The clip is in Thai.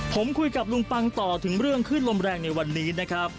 ผมคุยกับลุงปังต่อถึงเรื่องขึ้นลมแรงในวันนี้นะครับ